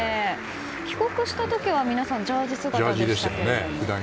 帰国した時は皆さんジャージ姿でしたけど。